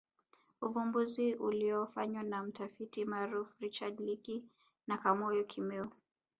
Uvumbuzi uliofanywa na mtafiti maarufu Richard Leakey na Kamoya Kimeu